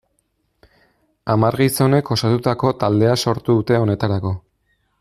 Hamar gizonek osotutako taldea sortu dute honetarako.